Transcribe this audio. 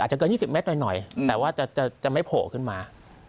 เกิน๒๐เมตรหน่อยแต่ว่าจะไม่โผล่ขึ้นมา